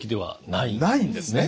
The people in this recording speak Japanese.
ないんですね